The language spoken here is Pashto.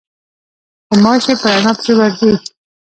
غوماشې په رڼا پسې ورځي.